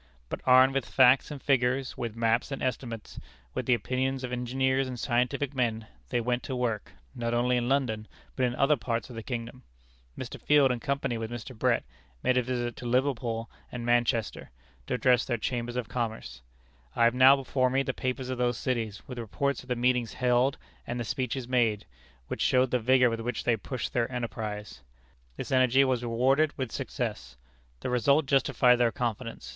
But armed with facts and figures, with maps and estimates, with the opinions of engineers and scientific men, they went to work, not only in London, but in other parts of the kingdom. Mr. Field, in company with Mr. Brett, made a visit to Liverpool and Manchester, to address their Chambers of Commerce. I have now before me the papers of those cities, with reports of the meetings held and the speeches made, which show the vigor with which they pushed their enterprise. This energy was rewarded with success. The result justified their confidence.